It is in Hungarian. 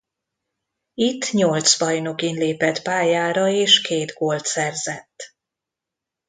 Itt nyolc bajnokin lépett pályára és két gólt szerzett.